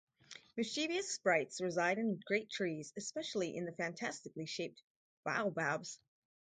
Mischievous sprites reside in great trees, especially in the fantastically shaped baobabs.